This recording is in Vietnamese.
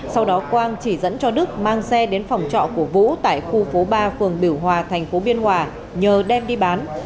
sau đó quang chỉ dẫn cho đức mang xe đến phòng trọ của vũ tại khu phố ba phường biểu hòa thành phố biên hòa nhờ đem đi bán